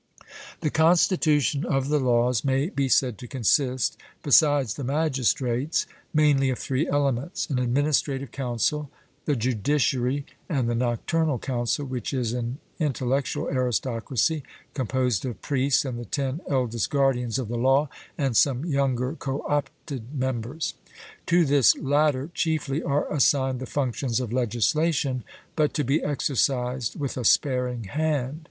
The constitution of the Laws may be said to consist, besides the magistrates, mainly of three elements, an administrative Council, the judiciary, and the Nocturnal Council, which is an intellectual aristocracy, composed of priests and the ten eldest guardians of the law and some younger co opted members. To this latter chiefly are assigned the functions of legislation, but to be exercised with a sparing hand.